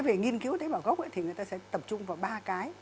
về nghiên cứu tế bảo gốc thì người ta sẽ tập trung vào ba cái